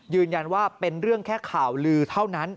ยืนยันว่าเป็นเรื่องแค่ข่าวลือเท่านั้น